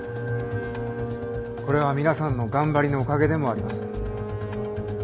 これは皆さんの頑張りのおかげでもあります。